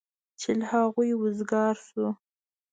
چې له هغوی وزګار شو.